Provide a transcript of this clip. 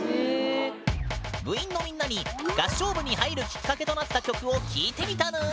部員のみんなに「合唱部に入るきっかけとなった曲」を聞いてみたぬーん！